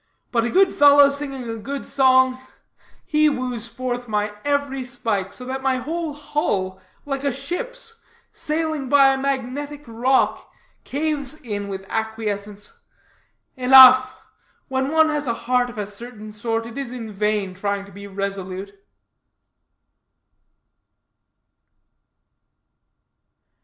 But a good fellow, singing a good song, he woos forth my every spike, so that my whole hull, like a ship's, sailing by a magnetic rock, caves in with acquiescence. Enough: when one has a heart of a certain sort, it is in vain trying to be resolute."